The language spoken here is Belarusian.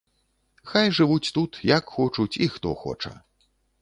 Хай жывуць тут, як хочуць і хто хоча.